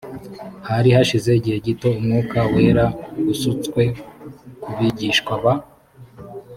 hari hashize igihe gito umwuka wera usutswe ku bigishwa ba